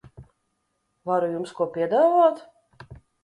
Varu jums ko piedāvāt?